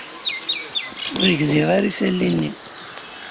Ur gziɣ ara isali-nni.